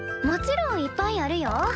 もちろんいっぱいあるよ。